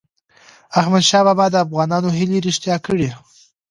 احمدشاه بابا د افغانانو هیلې رښتیا کړی.